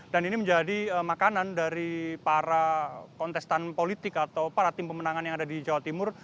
dan ini menjadi makanan dari para kontestan politik atau para tim pemenangan yang ada di jawa timur